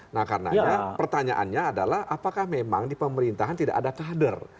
nah karenanya pertanyaannya adalah apakah memang di pemerintahan tidak ada kader